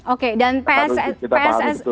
oke dan pssi